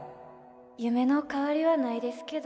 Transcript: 夢の代わりはないですけど